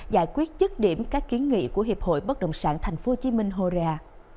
giải quyết chức điểm các kiến nghị của hiệp hội bất động sản tp hcm horea